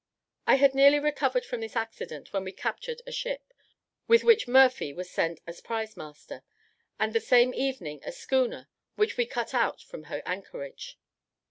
I had nearly recovered from this accident, when we captured a ship, with which Murphy was sent as prize master; and the same evening a schooner, which we cut out from her anchorage.